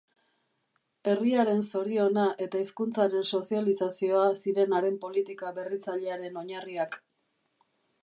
Herriaren zoriona eta hezkuntzaren sozializazioa ziren haren politika berritzailearen oinarriak.